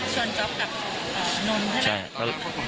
จ๊อปกับนนท์ใช่ไหม